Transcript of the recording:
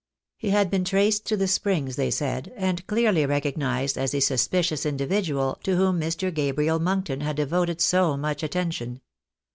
He had been traced to the Springs, they said, and clearly recog nised as the suspicious individual to whom Mr. Gabriel Monkton had devoted so much attention.